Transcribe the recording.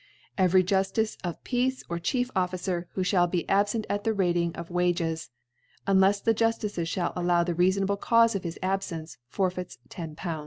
* Every Juftice of Peace, or Chief Officer, * who (hall be abfent at the Rating of Wa* * ges, unlefs the JuQices Ihall allow the rea* * ionable Caufe of hisAbfence, forfeits lol.